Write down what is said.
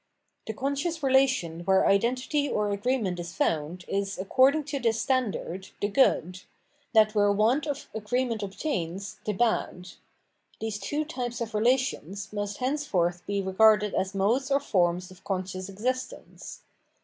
The conscious relation where identity or agreement is found, is, according to this standard, the good; that where want of agreement obtains, the bad. These two types of relation must henceforth be regarded as modes or forms of conscious existence.